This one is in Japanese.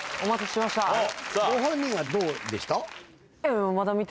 ご本人はどうでした？